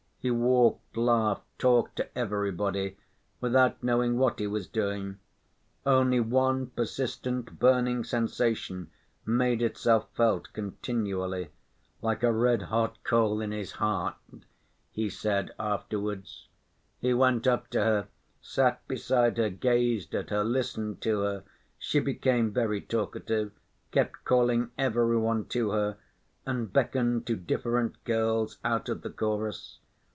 He walked, laughed, talked to everybody, without knowing what he was doing. Only one persistent burning sensation made itself felt continually, "like a red‐hot coal in his heart," he said afterwards. He went up to her, sat beside her, gazed at her, listened to her.... She became very talkative, kept calling every one to her, and beckoned to different girls out of the chorus.